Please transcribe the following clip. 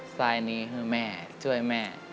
สายนี้คือแม่ช่วยแม่